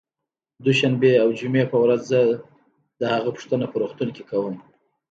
دوشنبې او جمعې په ورځ زه د هغه پوښتنه په روغتون کې کوم